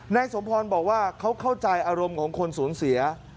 นายสมพรบอกว่าเขาเข้าใจอารมณ์ของคนสูญเสีย